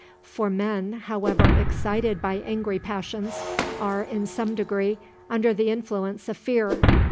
For men, however excited by angry passions, are, in some degree, under the influence of fear.